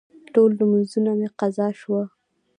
ټول لمونځونه مې قضا شوه.